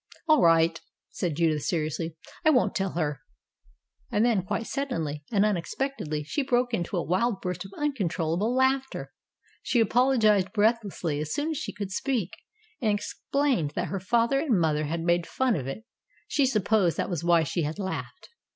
"All right," said Judith seriously, "I won't tell her," and then, quite suddenly and unexpectedly, she broke into a wild burst of uncontrollable laughter. She apologized breathlessly as soon as she could speak, and explained that her father and mother had made fun of it; she supposed that was why she had laughed.